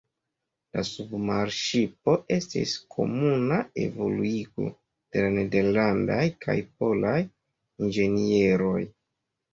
La submarŝipo estis komuna evoluigo de la nederlandaj kaj polaj inĝenieroj.